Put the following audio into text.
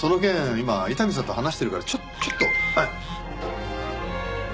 今伊丹さんと話してるからちょっと。